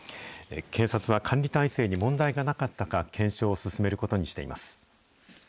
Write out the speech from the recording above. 警察は管理体制に問題がなかったか、検証を進めることにしています。